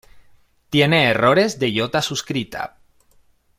Tiene errores de iota suscrita.